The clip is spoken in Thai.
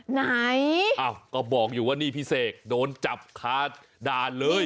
ไหนอ้าวก็บอกอยู่ว่านี่พี่เสกโดนจับคาด่านเลย